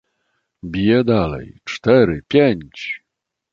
"Bije dalej: cztery, pięć!"